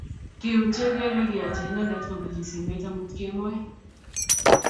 kiutye kele kiyoche inendet kobirchi simet amut kemoi